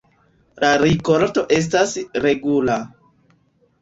La rikolto estas regula.